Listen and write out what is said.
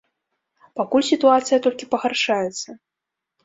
Пакуль сітуацыя толькі пагаршаецца.